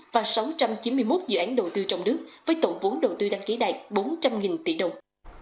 và sáu trăm chín mươi một dự án đầu tư trong nước với tổng vốn đầu tư đăng ký đạt bốn trăm linh tỷ đồng